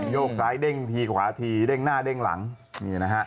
โยกซ้ายเด้งทีขวาทีเด้งหน้าเด้งหลังนี่นะฮะ